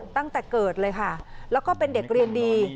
ตั้งแต่เกิดเลยค่ะแล้วก็เป็นเด็กเรียนดี